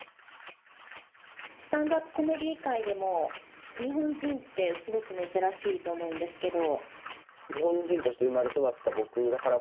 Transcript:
スタンダップコメディ界でも日本人はすごく珍しいと思うんですけれども。